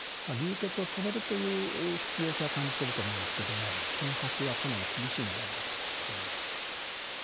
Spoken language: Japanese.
流血を止めるという必要性は感じてると思いますけどもその先はかなり厳しいのではないかと思います。